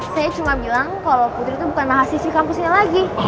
saya cuma bilang kalau putri tuh bukan mahasiswi kampus ini lagi